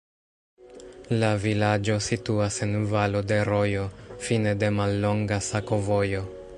La vilaĝo situas en valo de rojo, fine de mallonga sakovojo.